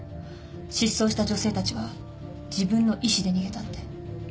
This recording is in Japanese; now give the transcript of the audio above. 失踪した女性たちは自分の意思で逃げたって。